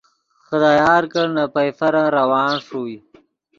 خدا یار کڑ نے پئیفرن روان ݰوئے